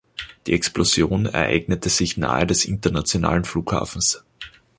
Die Explosion ereignete sich nahe des internationalen Flughafens.